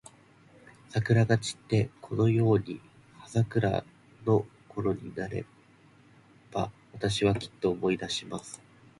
桜が散って、このように葉桜のころになれば、私は、きっと思い出します。